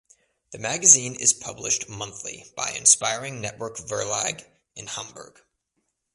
The magazine is published monthly by Inspiring Network Verlag in Hamburg.